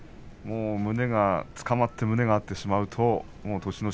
つかまって胸が合ってしまうと栃ノ